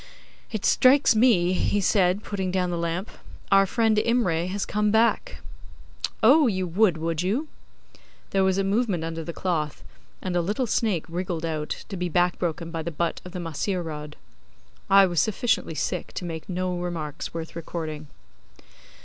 'It strikes me,' said he, putting down the lamp, 'our friend Imray has come back. Oh! you would, would you?' There was a movement under the cloth, and a little snake wriggled out, to be back broken by the butt of the mahseer rod. I was sufficiently sick to make no remarks worth recording.